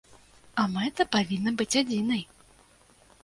А мэта павінна быць адзінай.